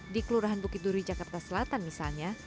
di kelurahan bukit duri jakarta selatan misalnya